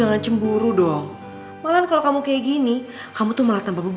karena hari ini dia ulang tahun